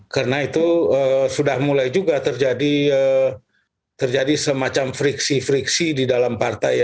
karena itu sudah mulai juga terjadi semacam friksi friksi di dalam partai